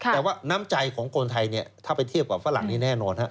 แต่ว่าน้ำใจของคนไทยเนี่ยถ้าไปเทียบกับฝรั่งนี้แน่นอนฮะ